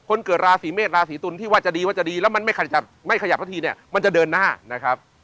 เกิดราศีเมษราศีตุลที่ว่าจะดีว่าจะดีแล้วมันไม่ขยับไม่ขยับสักทีเนี่ยมันจะเดินหน้านะครับ